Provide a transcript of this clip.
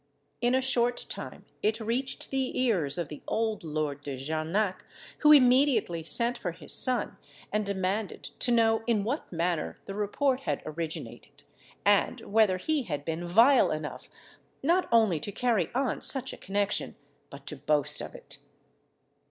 In a short time it reached the ears of the old Lord de Jarnac, who immediately sent for his son, and demanded to know in what manner the report had originated, and whether he had been vile enough not only to carry on such a connexion, but to boast of it?